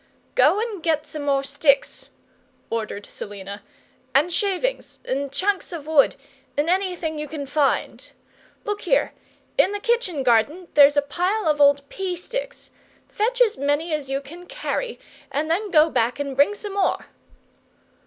"Go 'n' get some more sticks," ordered Selina, "and shavings, 'n' chunks of wood, 'n' anything you can find. Look here in the kitchen garden there's a pile of old pea sticks. Fetch as many as you can carry, and then go back and bring some more!"